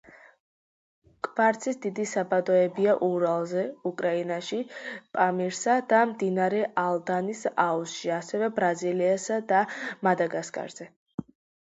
კვარცის დიდი საბადოებია ურალზე, უკრაინაში, პამირსა და მდინარე ალდანის აუზში, ასევე ბრაზილიასა და მადაგასკარზე.